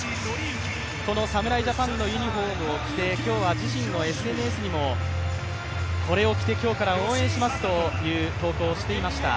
この侍ジャパンのユニフォームを着て、今日は自身のＳＮＳにもこれを着て今日から応援しますという投稿をしていました。